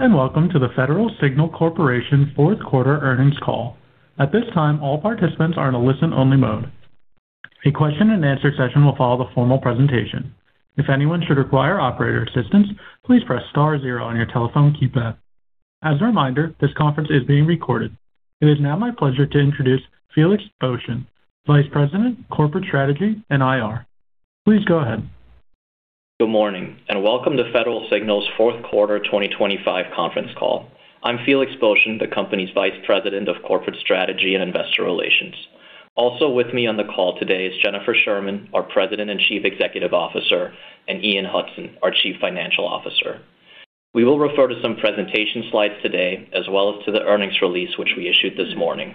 Greetings. Welcome to the Federal Signal Corporation Fourth Quarter Earnings Call. At this time, all participants are in a listen-only mode. A question-and-answer session will follow the formal presentation. If anyone should require operator assistance, please press star zero on your telephone keypad. As a reminder, this conference is being recorded. It is now my pleasure to introduce Felix Boeschen, Vice President, Corporate Strategy and IR. Please go ahead. Good morning. Welcome to Federal Signal's Fourth Quarter 2025 Conference Call. I'm Felix Boeschen, the company's Vice President of Corporate Strategy and Investor Relations. Also with me on the call today is Jennifer Sherman, our President and Chief Executive Officer, and Ian Hudson, our Chief Financial Officer. We will refer to some presentation slides today as well as to the earnings release, which we issued this morning.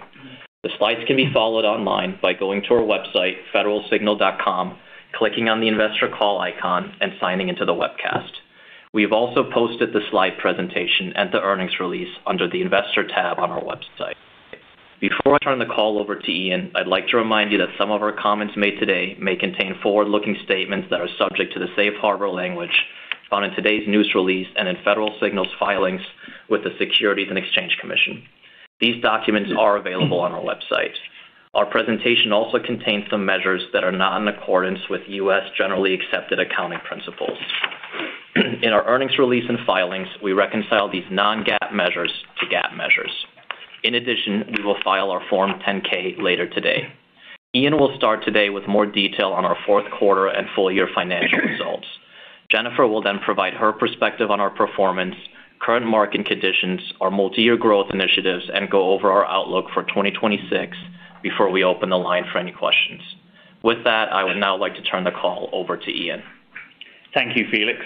The slides can be followed online by going to our website, federalsignal.com, clicking on the Investor Call icon, and signing into the webcast. We have also posted the slide presentation and the earnings release under the Investor tab on our website. Before I turn the call over to Ian, I'd like to remind you that some of our comments made today may contain forward-looking statements that are subject to the Safe Harbor language found in today's news release and in Federal Signal's filings with the Securities and Exchange Commission. These documents are available on our website. Our presentation also contains some measures that are not in accordance with U.S. Generally Accepted Accounting Principles. In our earnings release and filings, we reconcile these non-GAAP measures to GAAP measures. We will file our Form 10-K later today. Ian will start today with more detail on our fourth quarter and full year financial results. Jennifer will provide her perspective on our performance, current market conditions, our multi-year growth initiatives, and go over our outlook for 2026 before we open the line for any questions. With that, I would now like to turn the call over to Ian. Thank you, Felix.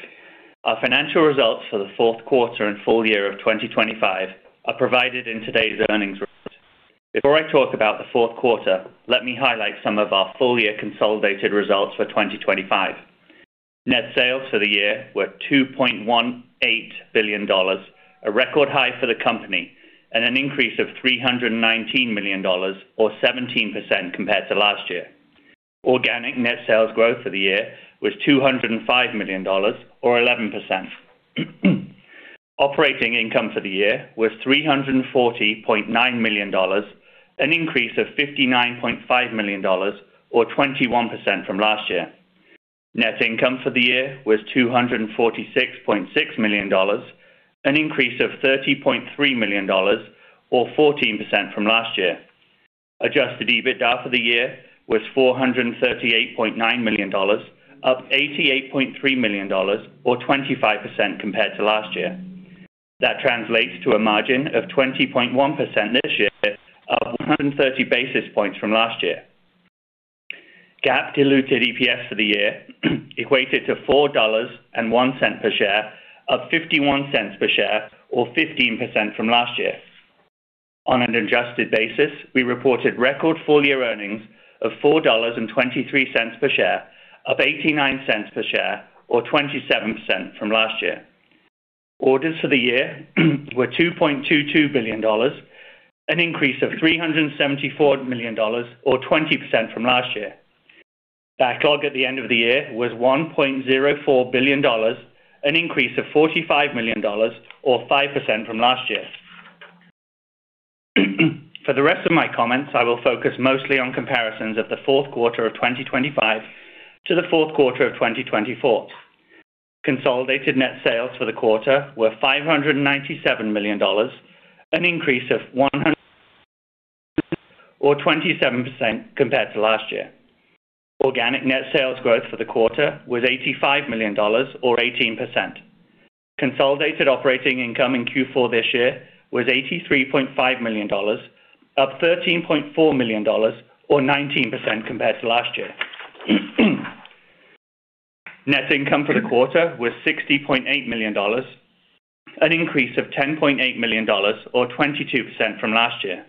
Our financial results for the fourth quarter and full year of 2025 are provided in today's earnings report. Before I talk about the fourth quarter, let me highlight some of our full-year consolidated results for 2025. Net sales for the year were $2.18 billion, a record high for the company and an increase of $319 million, or 17% compared to last year. Organic net sales growth for the year was $205 million, or 11%. Operating income for the year was $340.9 million, an increase of $59.5 million, or 21% from last year. Net income for the year was $246.6 million, an increase of $30.3 million, or 14% from last year. Adjusted EBITDA for the year was $438.9 million, up $88.3 million, or 25% compared to last year. That translates to a margin of 20.1% this year, up 130 basis points from last year. GAAP diluted EPS for the year equated to $4.01 per share, up $0.51 per share or 15% from last year. On an Adjusted basis, we reported record full-year earnings of $4.23 per share, up $0.89 per share or 27% from last year. Orders for the year were $2.22 billion, an increase of $374 million, or 20% from last year. Backlog at the end of the year was $1.04 billion, an increase of $45 million or 5% from last year. For the rest of my comments, I will focus mostly on comparisons of the fourth quarter of 2025 to the fourth quarter of 2024. Consolidated net sales for the quarter were $597 million, an increase of one hundred or 27% compared to last year. Organic net sales growth for the quarter was $85 million, or 18%. Consolidated operating income in Q4 this year was $83.5 million, up $13.4 million, or 19% compared to last year. Net income for the quarter was $60.8 million, an increase of $10.8 million, or 22% from last year.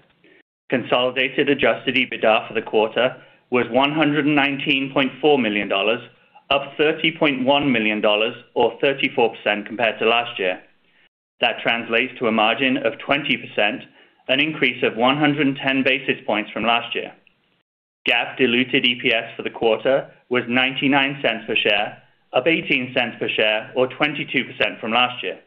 Consolidated Adjusted EBITDA for the quarter was $119.4 million, up $30.1 million, or 34% compared to last year. That translates to a margin of 20%, an increase of 110 basis points from last year. GAAP diluted EPS for the quarter was $0.99 per share, up $0.18 per share, or 22% from last year.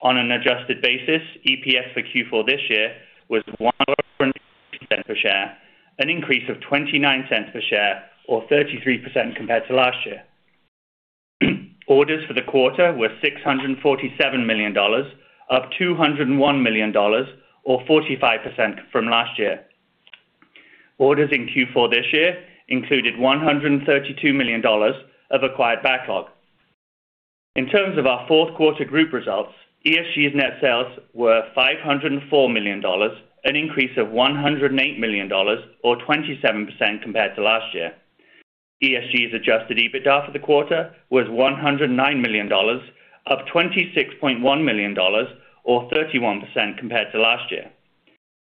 On an Adjusted basis, EPS for Q4 this year was $0.01 per share, an increase of $0.29 per share or 33% compared to last year. Orders for the quarter were $647 million, up $201 million, or 45% from last year. Orders in Q4 this year included $132 million of acquired backlog. In terms of our fourth quarter group results, ESG's net sales were $504 million, an increase of $108 million, or 27% compared to last year. ESG's Adjusted EBITDA for the quarter was $109 million, up $26.1 million, or 31% compared to last year.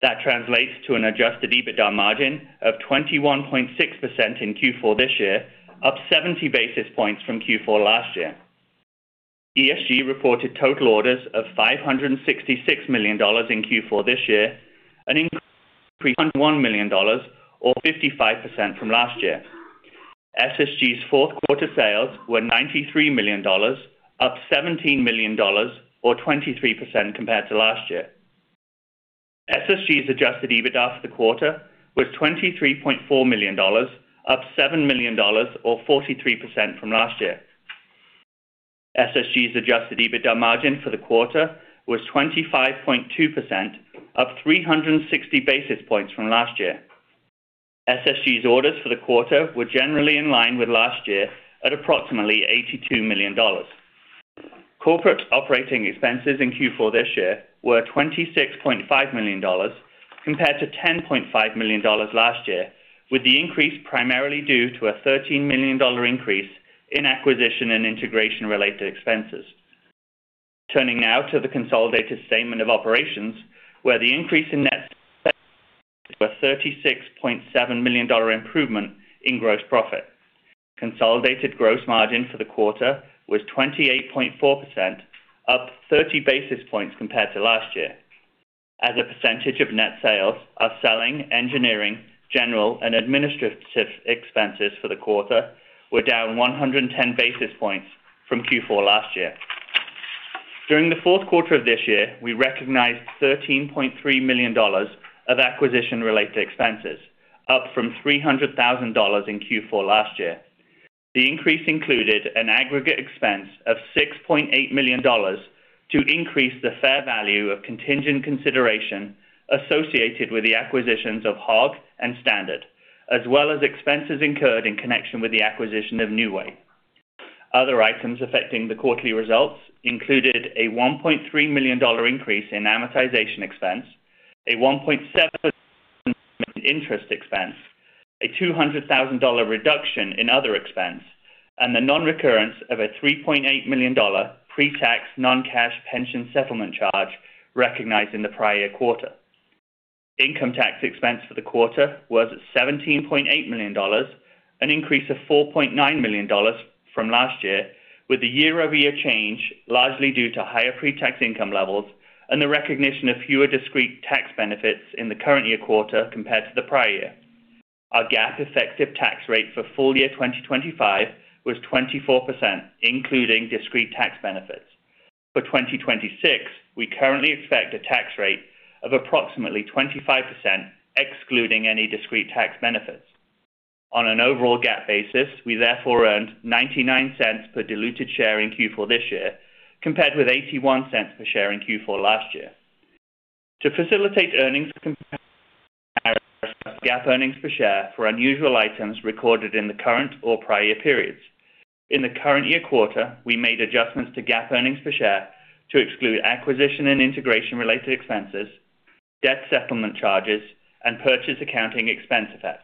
That translates to an Adjusted EBITDA margin of 21.6% in Q4 this year, up 70 basis points from Q4 last year. ESG reported total orders of $566 million in Q4 this year, an increase $1 million, or 55% from last year. SSG's fourth quarter sales were $93 million, up $17 million or 23% compared to last year. SSG's Adjusted EBITDA for the quarter was $23.4 million, up $7 million or 43% from last year. SSG's Adjusted EBITDA margin for the quarter was 25.2%, up 360 basis points from last year. SSG's orders for the quarter were generally in line with last year at approximately $82 million. Corporate operating expenses in Q4 this year were $26.5 million, compared to $10.5 million last year, with the increase primarily due to a $13 million increase in acquisition and integration-related expenses. Turning now to the consolidated statement of operations, where the increase in net sales was $36.7 million improvement in gross profit. Consolidated gross margin for the quarter was 28.4%, up 30 basis points compared to last year. As a percentage of net sales, our Selling, Engineering, General and Administrative Expenses for the quarter were down 110 basis points from Q4 last year. During the fourth quarter of this year, we recognized $13.3 million of acquisition-related expenses, up from $300,000 in Q4 last year. The increase included an aggregate expense of $6.8 million to increase the fair value of contingent consideration associated with the acquisitions of Hog and Standard, as well as expenses incurred in connection with the acquisition of New Way. Other items affecting the quarterly results included a $1.3 million increase in amortization expense, a $1.7 million interest expense, a $200,000 reduction in other expense, and the non-recurrence of a $3.8 million pre-tax non-cash pension settlement charge recognized in the prior quarter. Income tax expense for the quarter was $17.8 million, an increase of $4.9 million from last year, with the year-over-year change largely due to higher pre-tax income levels and the recognition of fewer discrete tax benefits in the current year quarter compared to the prior year. Our GAAP effective tax rate for full year 2025 was 24%, including discrete tax benefits. For 2026, we currently expect a tax rate of approximately 25%, excluding any discrete tax benefits. On an overall GAAP basis, we therefore earned $0.99 per diluted share in Q4 this year, compared with $0.81 per share in Q4 last year. To facilitate earnings comparison, GAAP earnings per share for unusual items recorded in the current or prior periods. In the current year quarter, we made adjustments to GAAP earnings per share to exclude acquisition and integration-related expenses, debt settlement charges, and purchase accounting expense effects.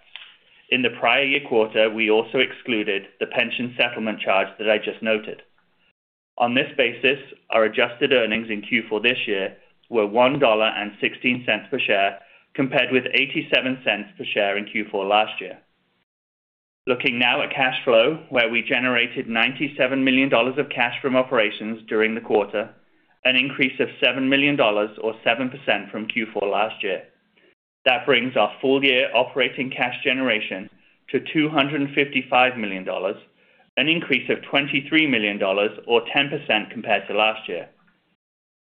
In the prior year quarter, we also excluded the pension settlement charge that I just noted. On this basis, our Adjusted earnings in Q4 this year were $1.16 per share, compared with $0.87 per share in Q4 last year. Looking now at cash flow, where we generated $97 million of cash from operations during the quarter, an increase of $7 million or 7% from Q4 last year. That brings our full-year operating cash generation to $255 million, an increase of $23 million or 10% compared to last year.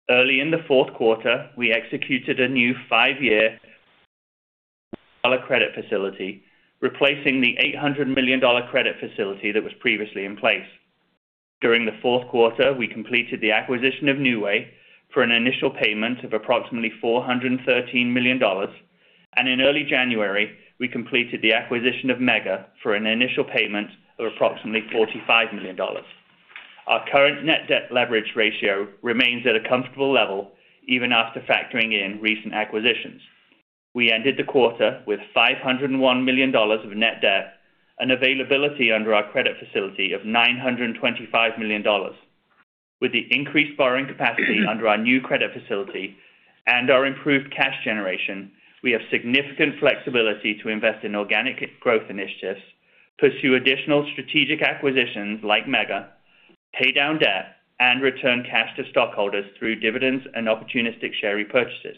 Early in the fourth quarter, we executed a new five-year credit facility, replacing the $800 million credit facility that was previously in place. During the fourth quarter, we completed the acquisition of New Way for an initial payment of approximately $413 million. In early January, we completed the acquisition of Mega for an initial payment of approximately $45 million. Our current net debt leverage ratio remains at a comfortable level, even after factoring in recent acquisitions. We ended the quarter with $501 million of net debt, an availability under our credit facility of $925 million. With the increased borrowing capacity under our new credit facility and our improved cash generation, we have significant flexibility to invest in organic growth initiatives, pursue additional strategic acquisitions like Mega, pay down debt, and return cash to stockholders through dividends and opportunistic share repurchases.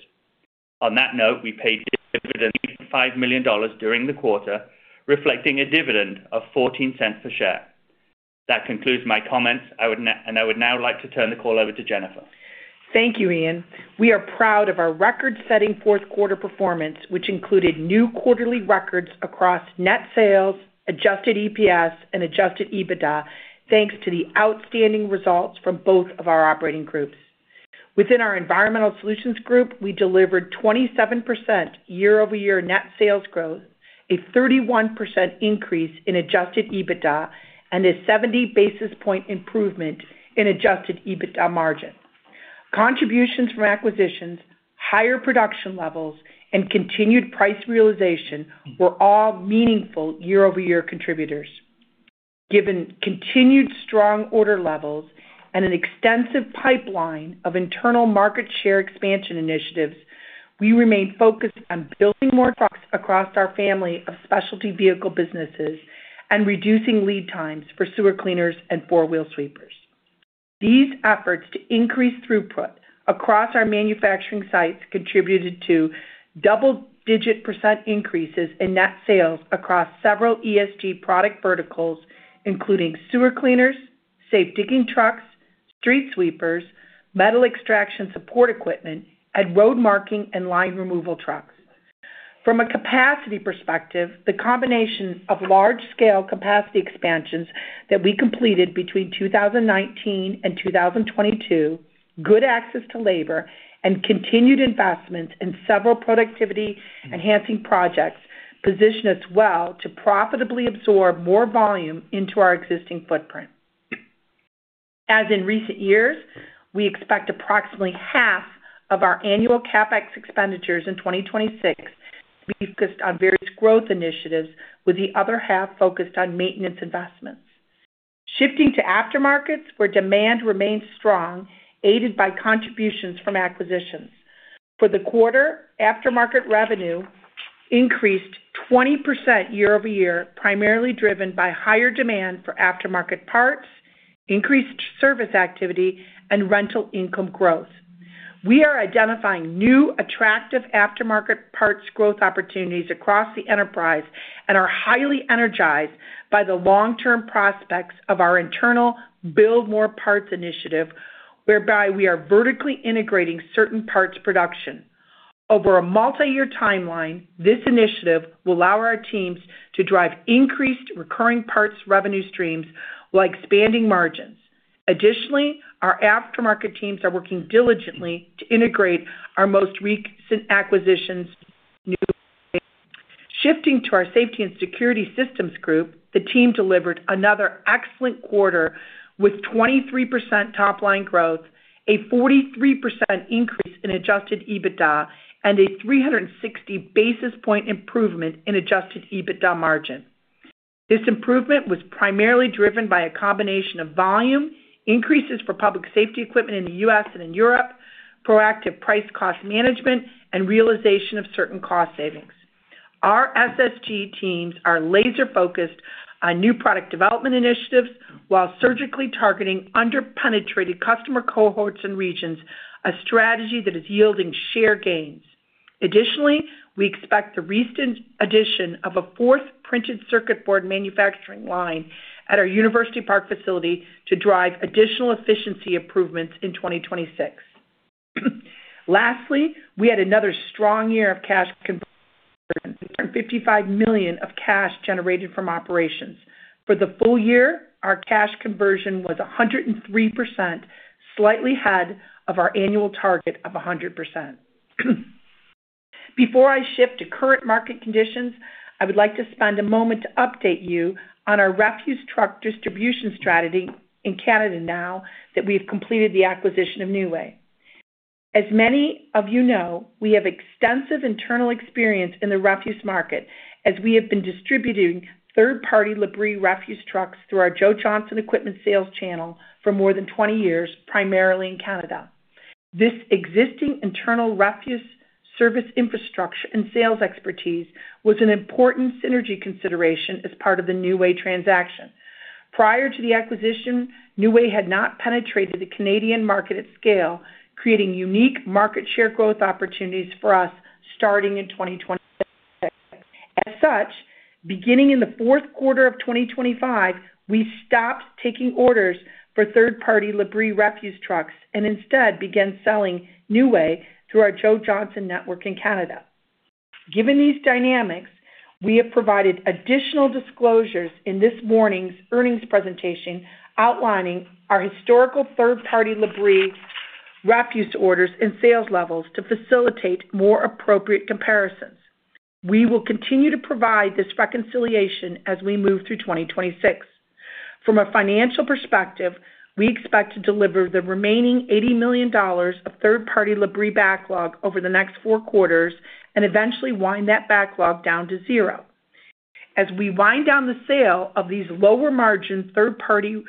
On that note, we paid dividends of $5 million during the quarter, reflecting a dividend of $0.14 per share. That concludes my comments. I would now like to turn the call over to Jennifer. Thank you, Ian. We are proud of our record-setting fourth quarter performance, which included new quarterly records across net sales, Adjusted EPS, and Adjusted EBITDA, thanks to the outstanding results from both of our operating groups. Within our Environmental Solutions Group, we delivered 27% year-over-year net sales growth, a 31% increase in Adjusted EBITDA, and a 70 basis point improvement in Adjusted EBITDA margin. Contributions from acquisitions, higher production levels, and continued price realization were all meaningful year-over-year contributors. Given continued strong order levels and an extensive pipeline of internal market share expansion initiatives, we remain focused on building more trucks across our family of specialty vehicle businesses and reducing lead times for sewer cleaners and four-wheel sweepers. These efforts to increase throughput across our manufacturing sites contributed to double-digit % increases in net sales across several ESG product verticals, including sewer cleaners, safe digging trucks, street sweepers, metal extraction support equipment, and road marking and line removal trucks. From a capacity perspective, the combination of large-scale capacity expansions that we completed between 2019 and 2022, good access to labor, and continued investments in several productivity-enhancing projects, position us well to profitably absorb more volume into our existing footprint. As in recent years, we expect approximately half of our annual CapEx expenditures in 2026 to be focused on various growth initiatives, with the other half focused on maintenance investments. Shifting to aftermarkets, where demand remains strong, aided by contributions from acquisitions. For the quarter, aftermarket revenue increased 20% year-over-year, primarily driven by higher demand for aftermarket parts, increased service activity, and rental income growth. We are identifying new, attractive aftermarket parts growth opportunities across the enterprise and are highly energized by the long-term prospects of our internal Build More Parts initiative, whereby we are vertically integrating certain parts production. Over a multi-year timeline, this initiative will allow our teams to drive increased recurring parts revenue streams while expanding margins. Additionally, our aftermarket teams are working diligently to integrate our most recent acquisitions, New Way. Shifting to our Safety and Security Systems Group, the team delivered another excellent quarter with 23% top-line growth, a 43% increase in Adjusted EBITDA, and a 360 basis point improvement in Adjusted EBITDA margin. This improvement was primarily driven by a combination of volume, increases for public safety equipment in the U.S. and in Europe, proactive price cost management, and realization of certain cost savings. Our SSG teams are laser-focused on new product development initiatives while surgically targeting under-penetrated customer cohorts and regions, a strategy that is yielding share gains. We expect the recent addition of a fourth printed circuit board manufacturing line at our University Park facility to drive additional efficiency improvements in 2026. We had another strong year of cash conversion, $155 million of cash generated from operations. For the full year, our cash conversion was 103%, slightly ahead of our annual target of 100%. Before I shift to current market conditions, I would like to spend a moment to update you on our refuse truck distribution strategy in Canada now that we've completed the acquisition of New Way. As many of you know, we have extensive internal experience in the refuse market, as we have been distributing third-party Labrie refuse trucks through our Joe Johnson Equipment sales channel for more than 20 years, primarily in Canada. This existing internal refuse service infrastructure and sales expertise was an important synergy consideration as part of the New Way transaction. Prior to the acquisition, New Way had not penetrated the Canadian market at scale, creating unique market share growth opportunities for us, starting in 2026. As such, beginning in Q4 2025, we stopped taking orders for third-party Labrie refuse trucks and instead began selling New Way through our Joe Johnson network in Canada. Given these dynamics, we have provided additional disclosures in this morning's earnings presentation, outlining our historical third-party Labrie refuse orders and sales levels to facilitate more appropriate comparisons. We will continue to provide this reconciliation as we move through 2026. From a financial perspective, we expect to deliver the remaining $80 million of third-party Labrie backlog over the next four quarters and eventually wind that backlog down to zero. As we wind down the sale of these lower-margin, third-party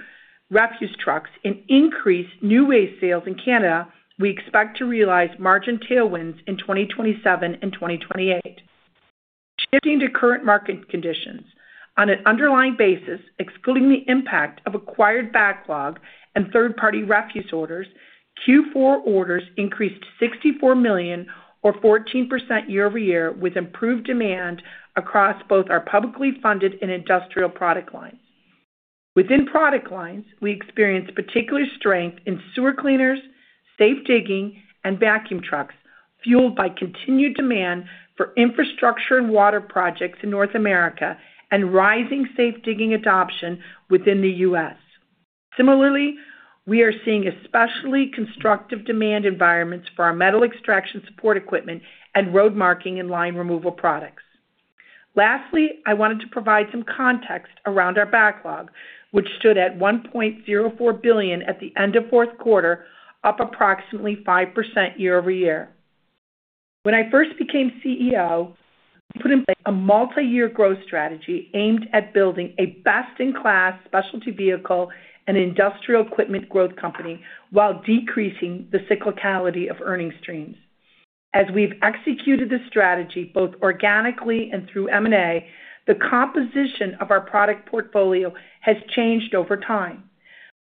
refuse trucks and increase New Way sales in Canada, we expect to realize margin tailwinds in 2027 and 2028. Shifting to current market conditions. On an underlying basis, excluding the impact of acquired backlog and third-party refuse orders, Q4 orders increased $64 million or 14% year-over-year, with improved demand across both our publicly funded and industrial product lines. Within product lines, we experienced particular strength in sewer cleaners, safe digging, and vacuum trucks, fueled by continued demand for infrastructure and water projects in North America and rising safe digging adoption within the U.S. Similarly, we are seeing especially constructive demand environments for our metal extraction support equipment and road marking and line removal products. Lastly, I wanted to provide some context around our backlog, which stood at $1.04 billion at the end of fourth quarter, up approximately 5% year-over-year. When I first became CEO, I put in place a multi-year growth strategy aimed at building a best-in-class specialty vehicle and industrial equipment growth company while decreasing the cyclicality of earning streams. As we've executed this strategy, both organically and through M&A, the composition of our product portfolio has changed over time.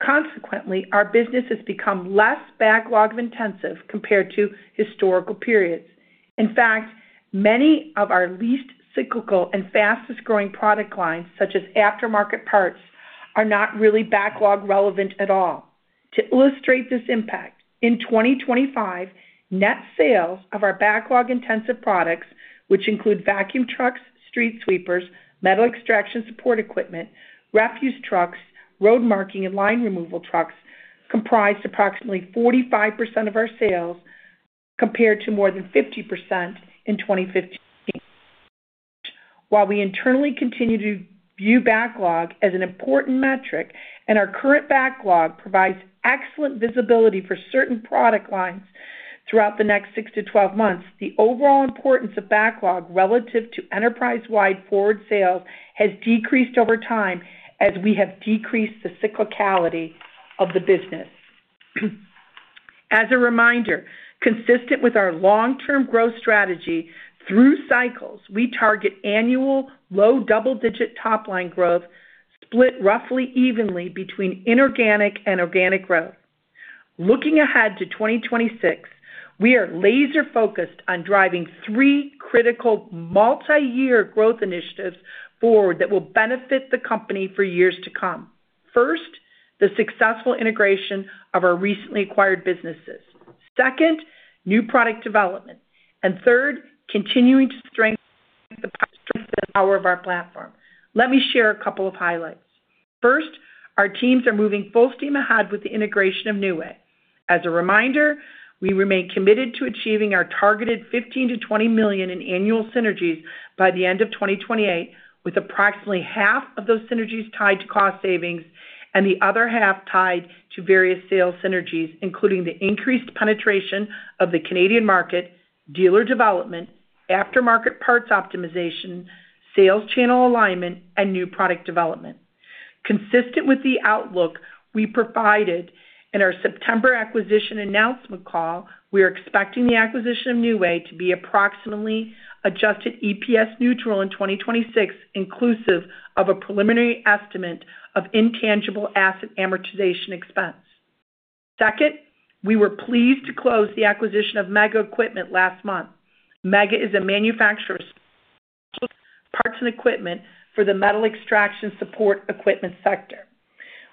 Consequently, our business has become less backlog intensive compared to historical periods. In fact, many of our least cyclical and fastest growing product lines, such as aftermarket parts, are not really backlog relevant at all. To illustrate this impact, in 2025, net sales of our backlog-intensive products, which include vacuum trucks, street sweepers, metal extraction support equipment, refuse trucks, road marking, and line removal trucks, comprised approximately 45% of our sales, compared to more than 50% in 2015. While we internally continue to view backlog as an important metric, and our current backlog provides excellent visibility for certain product lines throughout the next six to 12 months, the overall importance of backlog relative to enterprise-wide forward sales has decreased over time as we have decreased the cyclicality of the business. As a reminder, consistent with our long-term growth strategy, through cycles, we target annual low double-digit top-line growth, split roughly evenly between inorganic and organic growth. Looking ahead to 2026, we are laser-focused on driving three critical multi-year growth initiatives forward that will benefit the company for years to come. First, the successful integration of our recently acquired businesses. Second, New Product Development. Third, continuing to strengthen The Power of our Platform. Let me share a couple of highlights. First, our teams are moving full steam ahead with the integration of New Way. As a reminder, we remain committed to achieving our targeted $15 million-$20 million in annual synergies by the end of 2028, with approximately half of those synergies tied to cost savings and the other half tied to various sales synergies, including the increased penetration of the Canadian market, dealer development, aftermarket parts optimization, sales channel alignment, and New Product Development. Consistent with the outlook we provided in our September acquisition announcement call, we are expecting the acquisition of New Way to be approximately Adjusted EPS neutral in 2026, inclusive of a preliminary estimate of Intangible Asset Amortization Expense. Second, we were pleased to close the acquisition of Mega Equipment last month. Mega is a manufacturer of parts and equipment for the Metal Extraction Support Equipment sector.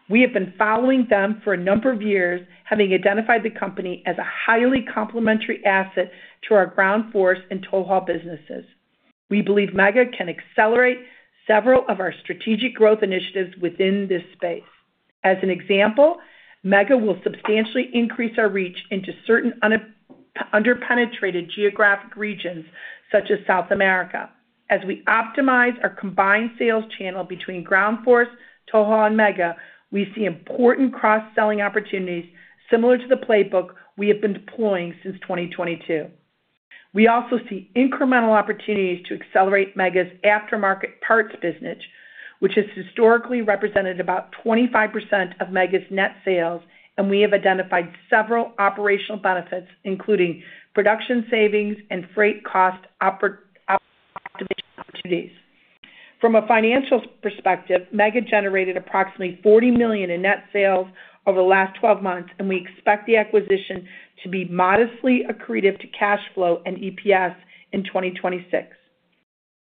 We have been following them for a number of years, having identified the company as a highly complementary asset to our Ground Force and TowHaul businesses. We believe Mega can accelerate several of our strategic growth initiatives within this space. As an example, Mega will substantially increase our reach into certain underpenetrated geographic regions, such as South America. As we optimize our combined sales channel between Ground Force, TowHaul, and Mega, we see important cross-selling opportunities similar to the playbook we have been deploying since 2022. We also see incremental opportunities to accelerate Mega's aftermarket parts business, which has historically represented about 25% of Mega's net sales, and we have identified several operational benefits, including production savings and freight cost opportunities. From a financial perspective, Mega generated approximately $40 million in net sales over the last 12 months. We expect the acquisition to be modestly accretive to cash flow and EPS in 2026.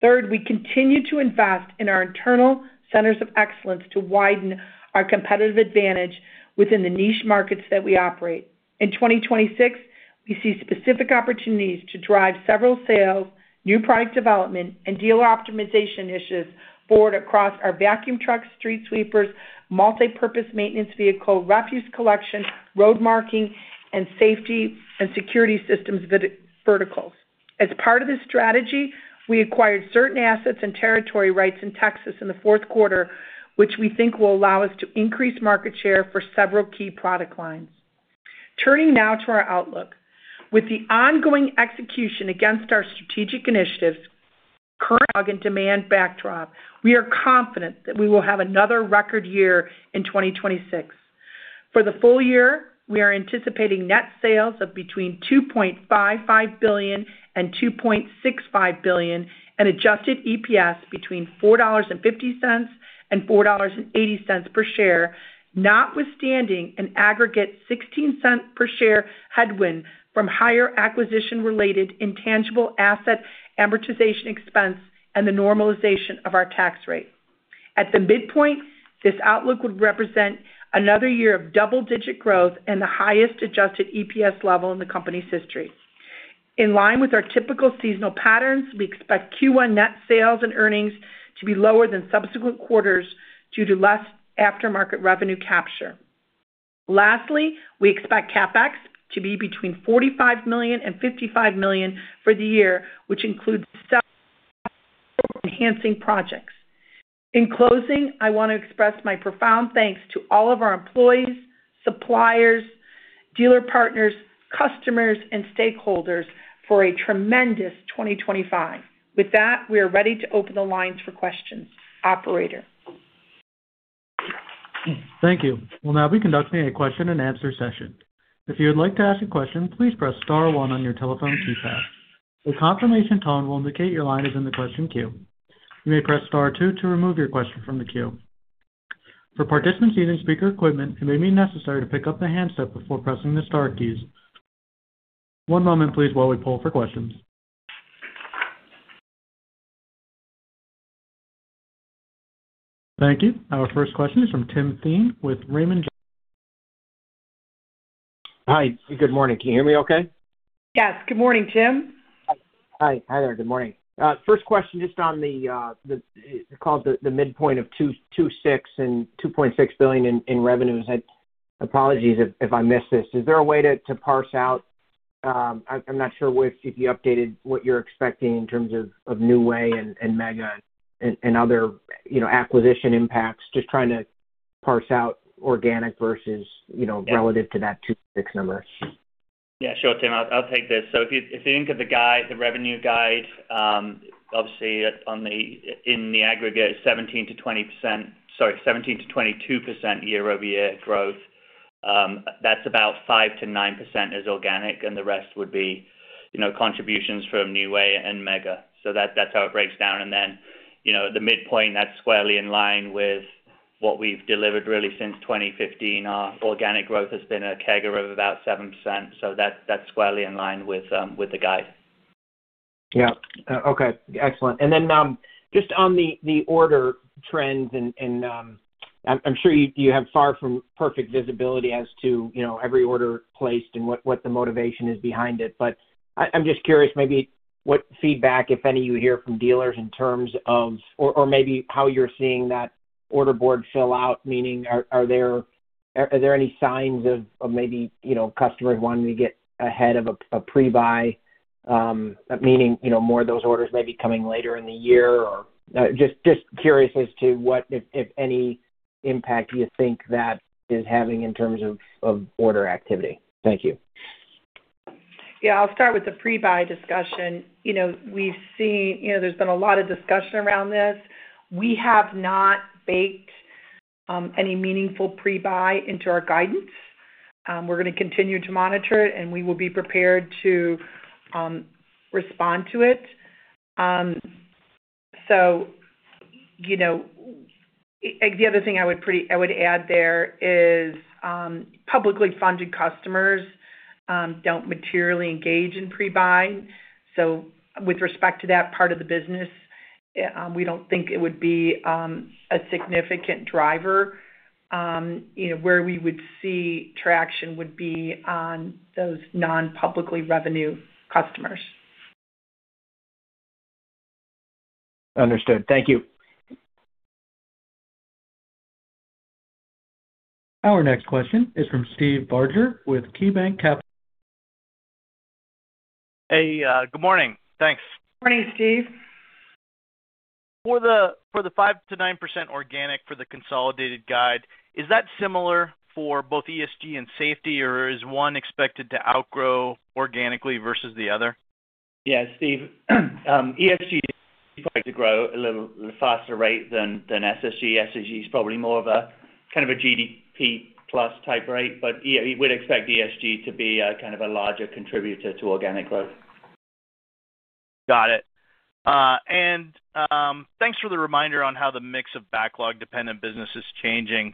Third, we continue to invest in our internal centers of excellence to widen our competitive advantage within the niche markets that we operate. In 2026, we see specific opportunities to drive several sales, new product development, and dealer optimization issues forward across our vacuum trucks, street sweepers, multipurpose maintenance vehicle, refuse collection, road marking, and safety and security systems verticals. As part of this strategy, we acquired certain assets and territory rights in Texas in the fourth quarter, which we think will allow us to increase market share for several key product lines. Turning now to our outlook. With the ongoing execution against our strategic initiatives, current demand backdrop, we are confident that we will have another record year in 2026. For the full year, we are anticipating net sales of between $2.55 billion and $2.65 billion, and Adjusted EPS between $4.50 and $4.80 per share, notwithstanding an aggregate $0.16 per share headwind from higher acquisition-related intangible asset amortization expense and the normalization of our tax rate. At the midpoint, this outlook would represent another year of double-digit growth and the highest Adjusted EPS level in the company's history. In line with our typical seasonal patterns, we expect Q1 net sales and earnings to be lower than subsequent quarters due to less aftermarket revenue capture. Lastly, we expect CapEx to be between $45 million and $55 million for the year, which includes enhancing projects. In closing, I want to express my profound thanks to all of our employees, suppliers, dealer partners, customers, and stakeholders for a tremendous 2025. With that, we are ready to open the lines for questions. Operator? Thank you. We'll now be conducting a question and answer session. If you would like to ask a question, please press star one on your telephone keypad. A confirmation tone will indicate your line is in the question queue. You may press star two to remove your question from the queue. For participants using speaker equipment, it may be necessary to pick up the handset before pressing the star keys. One moment please, while we pull for questions. Thank you. Our first question is from Tim Thein with Raymond James. Hi, good morning. Can you hear me okay? Yes. Good morning, Tim. Hi. Hi there, good morning. First question, just on the, called the midpoint of $2.26 billion and $2.6 billion in revenues. Apologies if I missed this, is there a way to parse out? I'm not sure if you updated what you're expecting in terms of New Way and Mega and other, you know, acquisition impacts. Just trying to parse out organic versus, you know, relative to that $2.6 billion number. Yeah, sure, Tim. I'll take this. If you think of the guide, the revenue guide, obviously in the aggregate, 17%-20%... Sorry, 17%-22% year-over-year growth, that's about 5%-9% is organic, and the rest would be, you know, contributions from New Way and Mega. That's how it breaks down. Then, you know, the midpoint, that's squarely in line with what we've delivered really since 2015. Our organic growth has been a CAGR of about 7%, so that's squarely in line with the guide. Yeah. Okay, excellent. Then, just on the order trends and, I'm sure you have far from perfect visibility as to, you know, every order placed and what the motivation is behind it. I'm just curious, maybe what feedback, if any, you hear from dealers in terms of, or maybe how you're seeing that order board fill out? Meaning, are there any signs of maybe, you know, customers wanting to get ahead of a pre-buy, meaning, you know, more of those orders may be coming later in the year or... Just curious as to what, if any, impact you think that is having in terms of order activity. Thank you. Yeah, I'll start with the pre-buy discussion. You know, we've seen, you know, there's been a lot of discussion around this. We have not baked any meaningful pre-buy into our guidance. We're going to continue to monitor it, and we will be prepared to respond to it. You know, the other thing I would add there is publicly funded customers don't materially engage in pre-buy. With respect to that part of the business, we don't think it would be a significant driver. You know, where we would see traction would be on those non-publicly revenue customers. Understood. Thank you. Our next question is from Steve Barger with KeyBanc Capital. Hey, good morning. Thanks. Morning, Steve. For the 5%-9% organic for the consolidated guide, is that similar for both ESG and safety, or is one expected to outgrow organically versus the other? Steve, ESG expected to grow a little faster rate than SSG. SSG is probably more of a kind of a GDP plus type rate, we would expect ESG to be a kind of a larger contributor to organic growth. Got it. Thanks for the reminder on how the mix of backlog-dependent business is changing.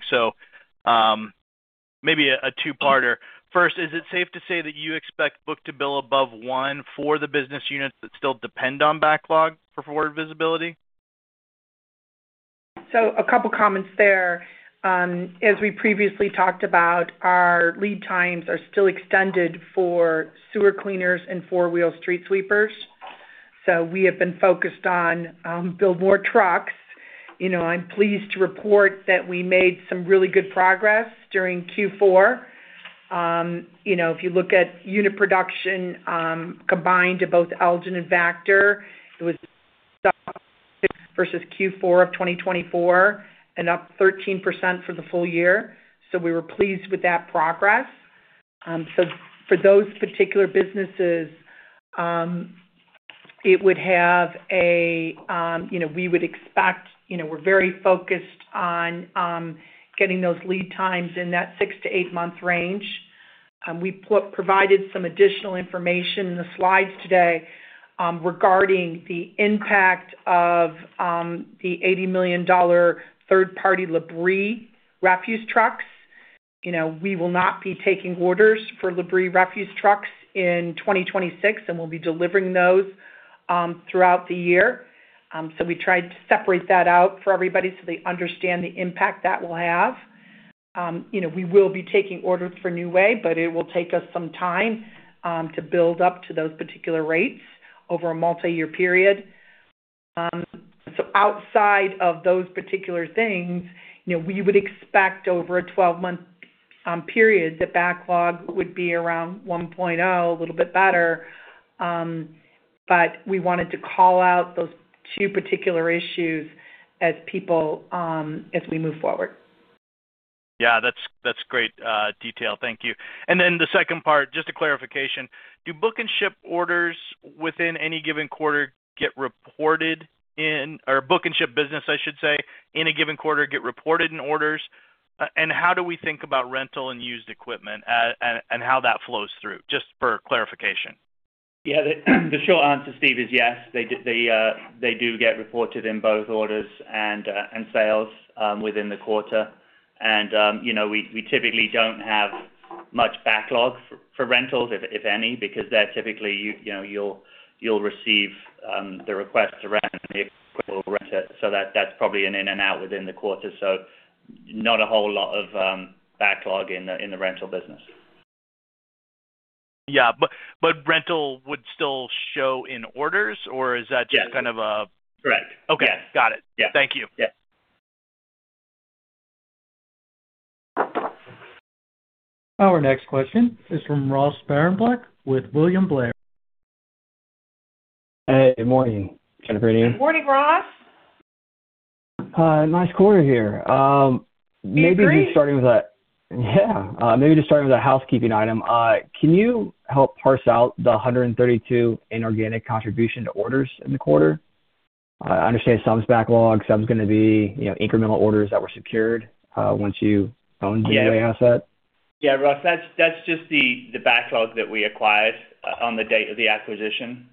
Maybe a two-parter. First, is it safe to say that you expect book-to-bill above 1 for the business units that still depend on backlog for forward visibility? A couple comments there. As we previously talked about, our lead times are still extended for sewer cleaners and four-wheel street sweepers, so we have been focused on build more trucks. You know, I'm pleased to report that we made some really good progress during Q4. You know, if you look at unit production, combined to both Elgin and Vactor, it was versus Q4 of 2024 and up 13% for the full year. We were pleased with that progress. For those particular businesses, it would have a. You know, we would expect, you know, we're very focused on getting those lead times in that six to eight month range. We provided some additional information in the slides today regarding the impact of the $80 million third-party Labrie refuse trucks. You know, we will not be taking orders for Labrie refuse trucks in 2026, and we'll be delivering those throughout the year. We tried to separate that out for everybody so they understand the impact that will have. You know, we will be taking orders for New Way, but it will take us some time to build up to those particular rates over a multi-year period. Outside of those particular things, you know, we would expect over a 12-month period, the backlog would be around 1.0, a little bit better. We wanted to call out those two particular issues as people as we move forward. Yeah, that's great detail. Thank you. Then the second part, just a clarification: do book and ship orders within any given quarter get reported or book and ship business, I should say, in a given quarter, get reported in orders? How do we think about Rental and Used Equipment, and how that flows through? Just for clarification. Yeah. The short answer, Steve, is yes. They do get reported in both orders and sales within the quarter. You know, we typically don't have much backlog for rentals, if any, because they're typically, you know, you'll receive the request around the equipment rent, so that's probably an in and out within the quarter. Not a whole lot of backlog in the rental business. Yeah, but rental would still show in orders, or is that? Yes. Kind of a-. Correct. Okay. Yes. Got it. Yeah. Thank you. Yes. Our next question is from Ross Sparenblek with William Blair. Hey, good morning, Jennifer and Ian. Good morning, Ross. Hi, nice quarter here. You agree? Yeah. Maybe just starting with a housekeeping item. Can you help parse out the 132 inorganic contribution to orders in the quarter? I understand some is backlog, some is going to be, you know, incremental orders that were secured once you owned. Yeah. The New Way asset. Yeah, Ross, that's just the backlog that we acquired on the date of the acquisition.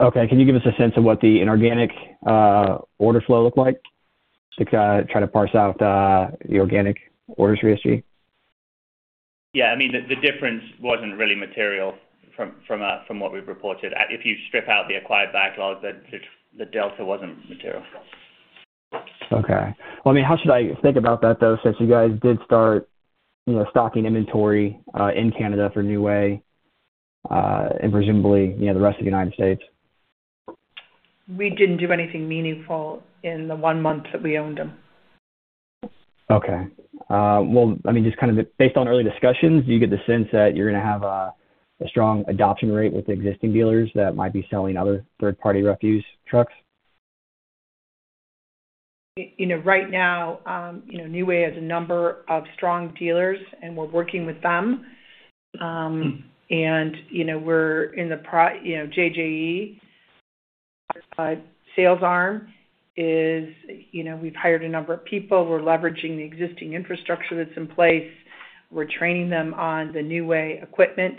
Okay. Can you give us a sense of what the inorganic order flow looked like? To try to parse out the organic orders for you see? Yeah, I mean, the difference wasn't really material from what we've reported. If you strip out the acquired backlog, the delta wasn't material. Okay. Well, I mean, how should I think about that, though, since you guys did start, you know, stocking inventory, in Canada for New Way, and presumably, you know, the rest of the United States? We didn't do anything meaningful in the one month that we owned them. Well, I mean, just kind of based on early discussions, do you get the sense that you're going to have a strong adoption rate with the existing dealers that might be selling other third-party refuse trucks? You know, right now, you know, New Way has a number of strong dealers, and we're working with them. You know, JJE sales arm is, you know, we've hired a number of people. We're leveraging the existing infrastructure that's in place. We're training them on the New Way equipment.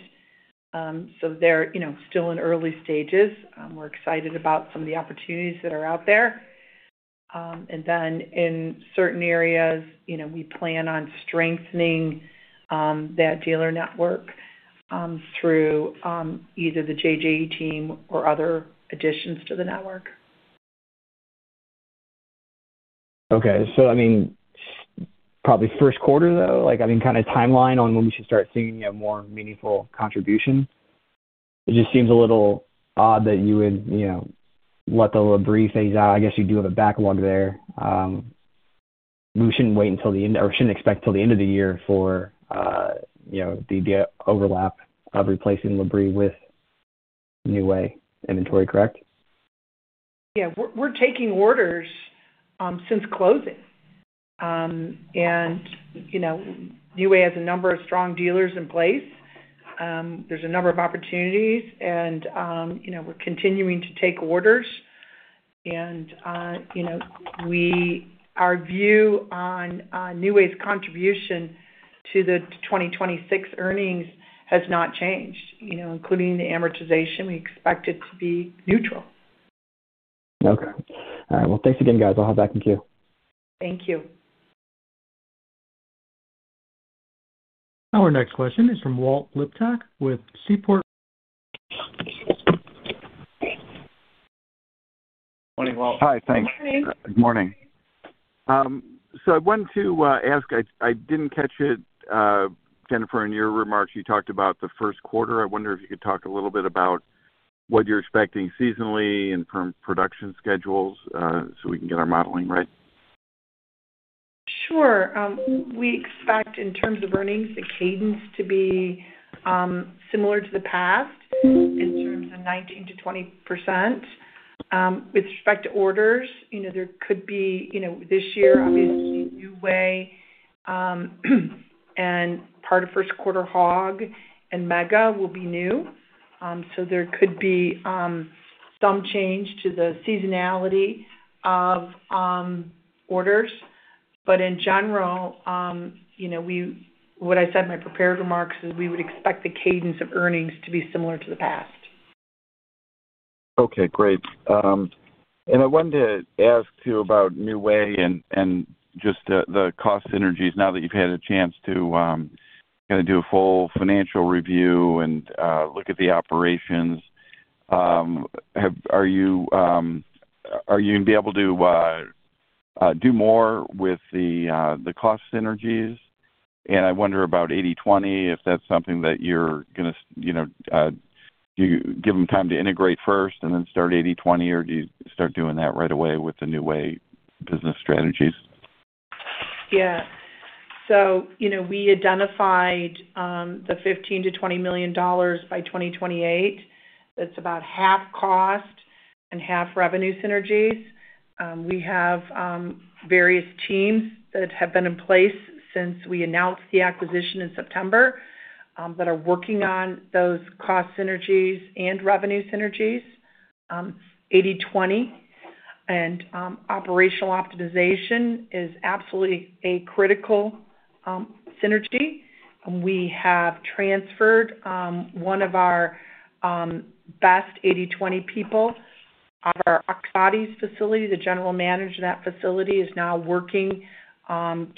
They're, you know, still in early stages. We're excited about some of the opportunities that are out there. In certain areas, you know, we plan on strengthening that dealer network through either the JJE team or other additions to the network. Okay. I mean, probably first quarter, though, like, I mean, kind of timeline on when we should start seeing a more meaningful contribution? It just seems a little odd that you would, you know, let the Labrie phase out. I guess you do have a backlog there. We shouldn't expect till the end of the year for, you know, the overlap of replacing Labrie with New Way inventory, correct? Yeah. We're taking orders since closing. You know, New Way has a number of strong dealers in place. There's a number of opportunities, and, you know, our view on New Way's contribution to the 2026 earnings has not changed. You know, including the amortization, we expect it to be neutral. Okay. All right. Well, thanks again, guys. I'll hop back in queue. Thank you. Our next question is from Walt Liptak with Seaport. Morning, Walt. Hi, thanks. Good morning. Good morning. I wanted to ask, I didn't catch it, Jennifer, in your remarks, you talked about the first quarter. I wonder if you could talk a little bit about what you're expecting seasonally and from production schedules, we can get our modeling right. Sure. We expect, in terms of earnings, the cadence to be similar to the past, in terms of 19%-20%. With respect to orders, you know, there could be, you know, this year, obviously, New Way, and part of first quarter, Hogg and Mega will be new. There could be some change to the seasonality of orders, but in general, you know, what I said in my prepared remarks is we would expect the cadence of earnings to be similar to the past. Okay, great. I wanted to ask you about New Way and just the cost synergies now that you've had a chance to, kind of do a full financial review and, look at the operations. Are you going to be able to do more with the cost synergies? I wonder about 80/20, if that's something that you're gonna, you know, do you give them time to integrate first and then start 80/20, or do you start doing that right away with the New Way business strategies? You know, we identified the $15 million-$20 million by 2028. That's about half cost and half revenue synergies. 80/20 and operational optimization is absolutely a critical synergy. We have transferred one of our best 80/20 people. Our Oxbodies facility, the general manager in that facility, is now working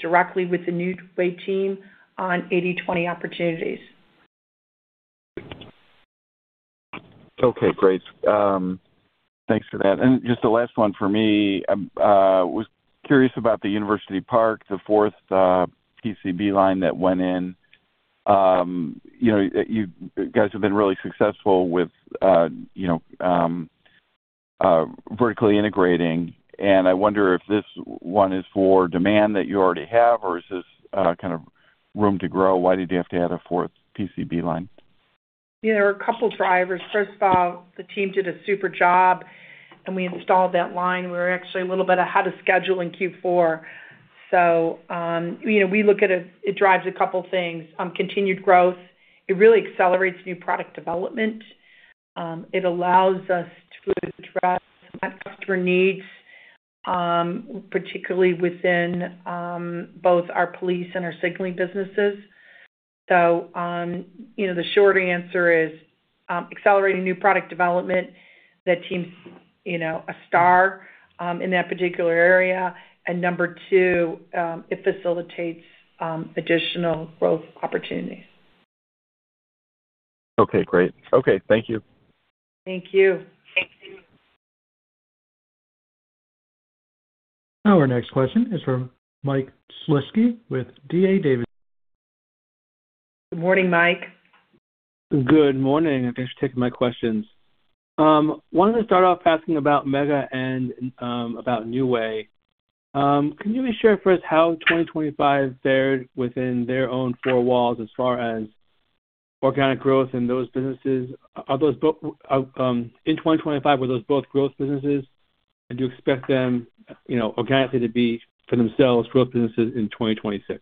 directly with the New Way team on 80/20 opportunities. Okay, great. Thanks for that. Just the last one for me. Was curious about the University Park, the fourth PCB line that went in. You know, you guys have been really successful with, you know, vertically integrating, and I wonder if this one is for demand that you already have, or is this kind of room to grow? Why did you have to add a fourth PCB line? Yeah, there are two drivers. First of all, the team did a super job, and we installed that line. We were actually a little bit ahead of schedule in Q4. You know, we look at it drives a couple of things. Continued growth, it really accelerates new product development. It allows us to address customer needs, particularly within, both our police and our signaling businesses. You know, the short answer is, accelerating new product development. That team's, you know, a star, in that particular area. Number two, it facilitates, additional growth opportunities. Okay, great. Okay. Thank you. Thank you. Our next question is from Mike Shlisky with D.A. Davidson. Good morning, Mike. Good morning. Thanks for taking my questions. Wanted to start off asking about Mega and, about New Way. Can you share with us how 2025 fared within their own four walls as far as organic growth in those businesses? Are those both, in 2025, were those both growth businesses? Do you expect them, you know, organically to be, for themselves, growth businesses in 2026?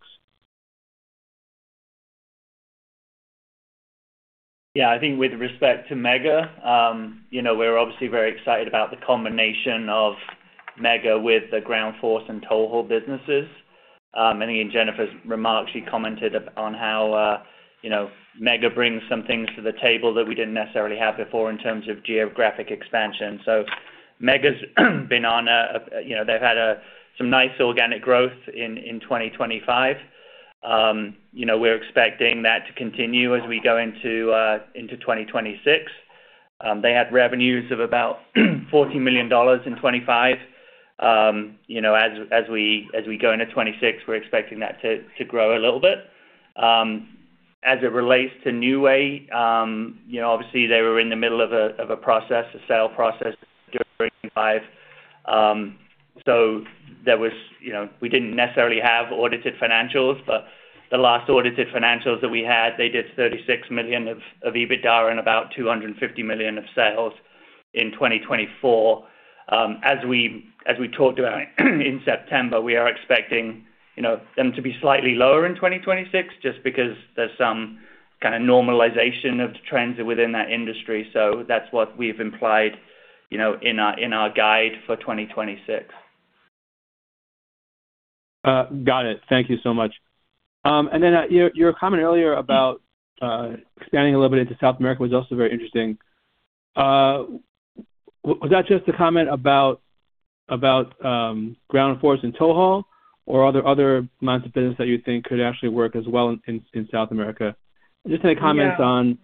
I think with respect to Mega, you know, we're obviously very excited about the combination of Mega with the Ground Force and TowHaul businesses. In Jennifer's remarks, she commented on how, you know, Mega brings some things to the table that we didn't necessarily have before in terms of geographic expansion. Mega's been on a, you know, they've had some nice organic growth in 2025. We're expecting that to continue as we go into 2026. They had revenues of about $40 million in 2025. You know, as we go into 2026, we're expecting that to grow a little bit. As it relates to New Way, you know, obviously they were in the middle of a process, a sale process during 2025. there was, you know, we didn't necessarily have audited financials, but the last audited financials that we had, they did $36 million of EBITDA and about $250 million of sales in 2024. As we talked about in September, we are expecting, you know, them to be slightly lower in 2026, just because there's some kind of normalization of the trends within that industry. That's what we've implied, you know, in our guide for 2026. Got it. Thank you so much. Your comment earlier about expanding a little bit into South America was also very interesting. Was that just a comment about Ground Force and TowHaul, or are there other lines of business that you think could actually work as well in South America? Just any comments? Yeah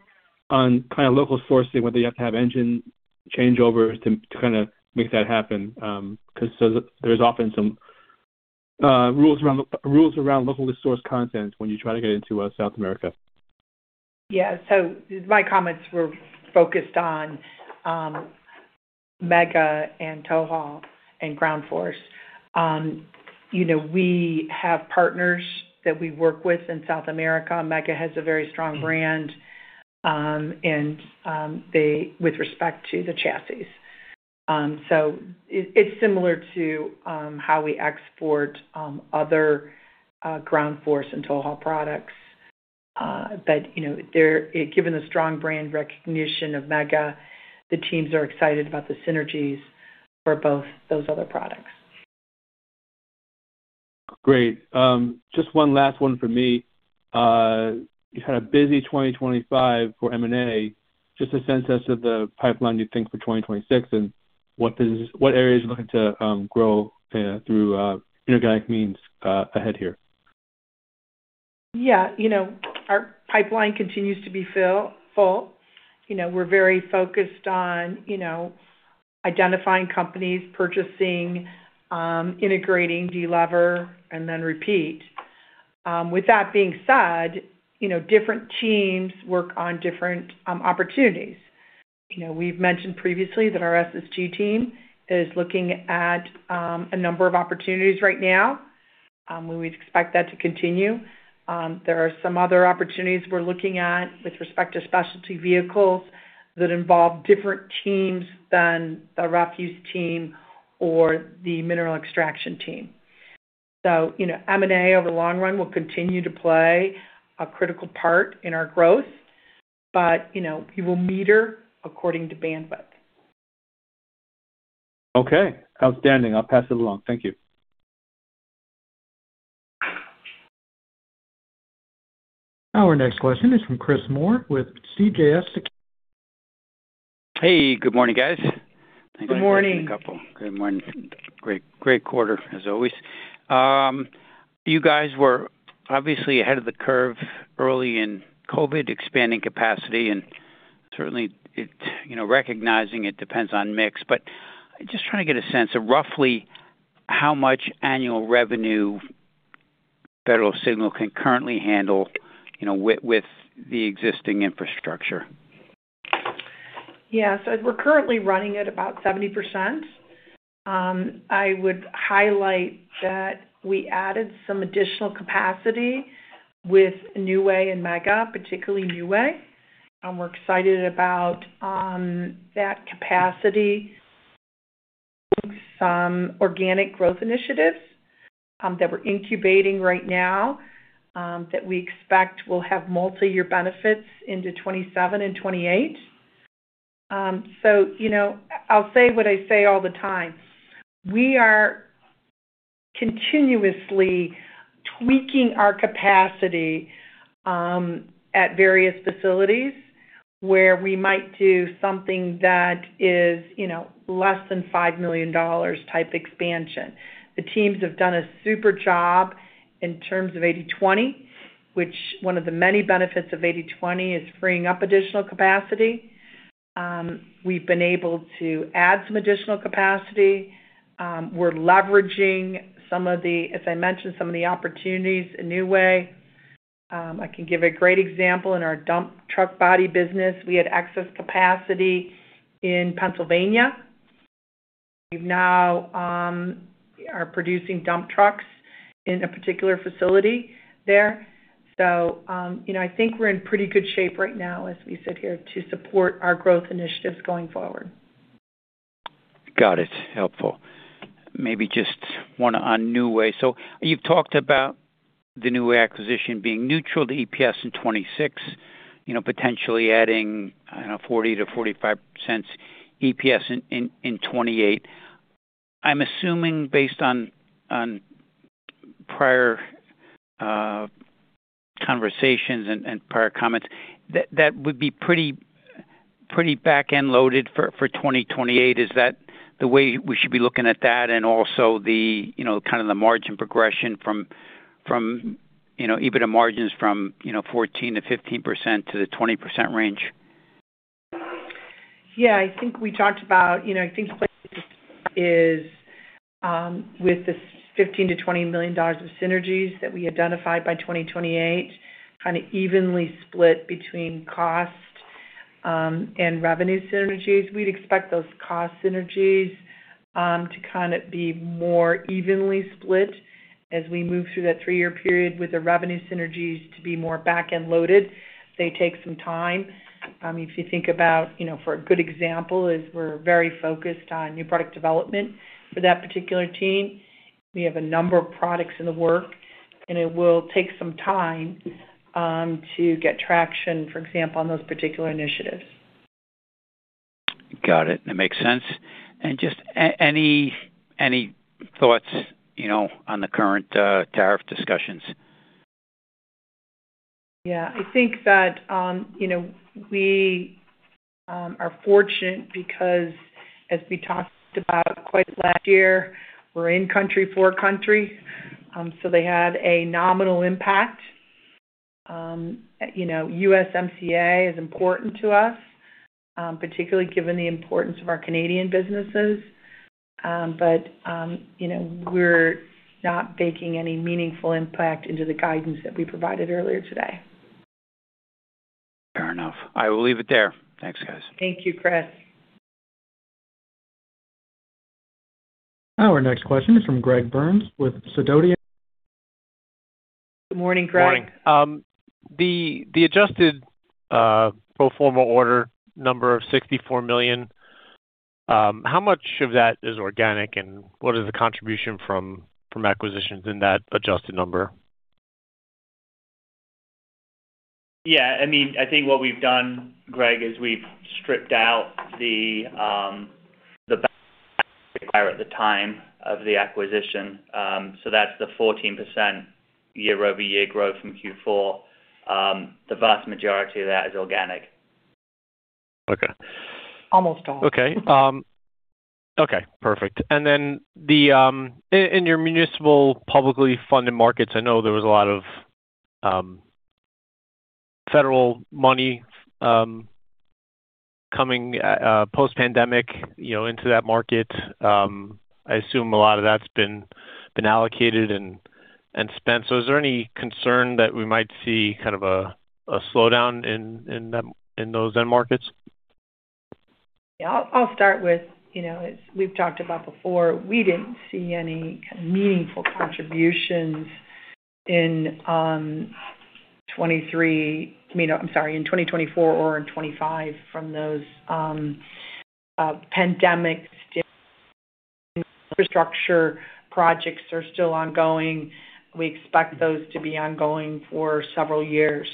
-on kind of local sourcing, whether you have to have engine changeovers to kind of make that happen, because there's often some rules around locally sourced content when you try to get into South America. Yeah. My comments were focused on Mega and TowHaul and Ground Force. You know, we have partners that we work with in South America. Mega has a very strong brand, and with respect to the chassis. It's similar to how we export other Ground Force and TowHaul products. You know, given the strong brand recognition of Mega, the teams are excited about the synergies for both those other products. Great. Just one last one for me. You had a busy 2025 for M&A. Just a sense as to the pipeline, you think, for 2026 and what business, what areas you're looking to grow through inorganic means ahead here. Yeah. You know, our pipeline continues to be full. You know, we're very focused on, you know, identifying companies, purchasing, integrating, delever, and then repeat. With that being said, you know, different teams work on different opportunities. You know, we've mentioned previously that our SSG team is looking at a number of opportunities right now, and we expect that to continue. There are some other opportunities we're looking at with respect to specialty vehicles that involve different teams than the refuse team or the mineral extraction team. You know, M&A over the long run will continue to play a critical part in our growth, but, you know, we will meter according to bandwidth. Okay, outstanding. I'll pass it along. Thank you. Our next question is from Chris Moore with CJS. Hey, good morning, guys. Good morning. Good morning. Great quarter, as always. You guys were obviously ahead of the curve early in COVID, expanding capacity. Certainly it, you know, recognizing it depends on mix. I'm just trying to get a sense of roughly how much annual revenue Federal Signal can currently handle, you know, with the existing infrastructure. Yeah. We're currently running at about 70%. I would highlight that we added some additional capacity with New Way and Mega, particularly New Way, and we're excited about that capacity, some organic growth initiatives that we're incubating right now that we expect will have multiyear benefits into 2027 and 2028. You know, I'll say what I say all the time. We are continuously tweaking our capacity at various facilities where we might do something that is, you know, less than $5 million type expansion. The teams have done a super job in terms of 80/20, which one of the many benefits of 80/20 is freeing up additional capacity. We've been able to add some additional capacity. We're leveraging some of the, as I mentioned, some of the opportunities in New Way. I can give a great example in our dump truck body business. We had excess capacity in Pennsylvania. We now are producing dump trucks in a particular facility there. You know, I think we're in pretty good shape right now as we sit here to support our growth initiatives going forward. Got it. Helpful. Maybe just one on New Way. You've talked about the New Way acquisition being neutral to EPS in 2026, you know, potentially adding, I don't know, $0.40-$0.45 EPS in 2028. I'm assuming, based on prior conversations and prior comments, that that would be pretty back-end loaded for 2028. Is that the way we should be looking at that? Also the, you know, kind of the margin progression from, you know, EBITDA margins from, you know, 14%-15% to the 20% range. I think we talked about, you know, I think is, with the $15 million-$20 million of synergies that we identified by 2028, kind of evenly split between cost and revenue synergies. We'd expect those cost synergies to kind of be more evenly split as we move through that three-year period, with the revenue synergies to be more back-end loaded. They take some time. If you think about, you know, for a good example, is we're very focused on new product development for that particular team. We have a number of products in the work, and it will take some time to get traction, for example, on those particular initiatives. Got it. That makes sense. Just any thoughts, you know, on the current tariff discussions? Yeah, I think that, you know, we are fortunate because as we talked about quite last year, we're in country, four country. They had a nominal impact. You know, USMCA is important to us, particularly given the importance of our Canadian businesses. You know, we're not baking any meaningful impact into the guidance that we provided earlier today. Fair enough. I will leave it there. Thanks, guys. Thank you, Chris. Our next question is from Greg Burns with Sidoti. Good morning, Greg. Morning. The adjusted pro forma order number of $64 million, how much of that is organic, and what is the contribution from acquisitions in that adjusted number? Yeah, I mean, I think what we've done, Greg, is we've stripped out at the time of the acquisition. That's the 14% year-over-year growth from Q4. The vast majority of that is organic. Okay. Almost all. Okay. Okay, perfect. Then, in your municipal publicly funded markets, I know there was a lot of federal money coming post-pandemic, you know, into that market. I assume a lot of that's been allocated and spent. Is there any concern that we might see kind of a slowdown in them, in those end markets? I'll start with you know, as we've talked about before, we didn't see any kind of meaningful contributions in 2023, I mean, in 2024 or in 2025 from those pandemic infrastructure projects are still ongoing. We expect those to be ongoing for several years.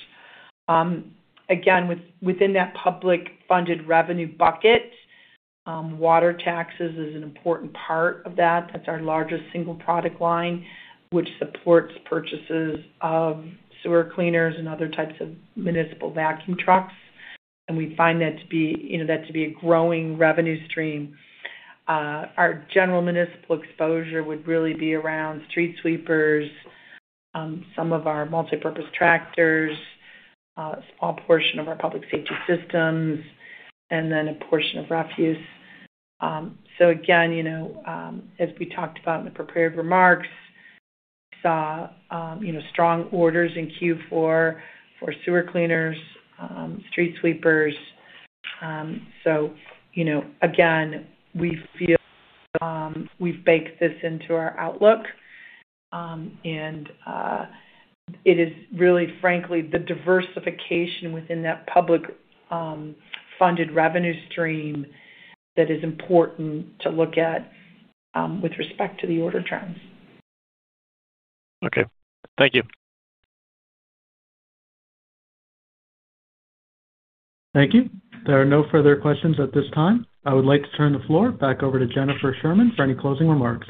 Again, within that public funded revenue bucket, water taxes is an important part of that. That's our largest single product line, which supports purchases of sewer cleaners and other types of municipal vacuum trucks, and we find that to be, you know, that to be a growing revenue stream. Our general municipal exposure would really be around street sweepers, some of our multipurpose tractors, a small portion of our public safety systems, and then a portion of refuse. Again, you know, as we talked about in the prepared remarks, saw, you know, strong orders in Q4 for sewer cleaners, street sweepers. You know, again, we feel, we've baked this into our outlook. It is really, frankly, the diversification within that public, funded revenue stream that is important to look at, with respect to the order trends. Okay, thank you. Thank you. There are no further questions at this time. I would like to turn the floor back over to Jennifer Sherman for any closing remarks.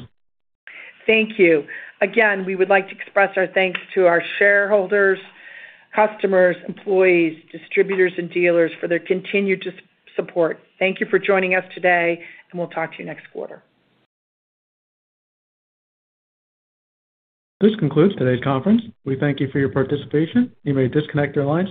Thank you. Again, we would like to express our thanks to our shareholders, customers, employees, distributors, and dealers for their continued support. Thank you for joining us today, and we'll talk to you next quarter. This concludes today's conference. We thank you for your participation. You may disconnect your lines.